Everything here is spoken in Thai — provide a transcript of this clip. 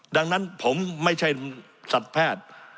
ดังนั้นผมไม่ใช่สัตว์แพทย์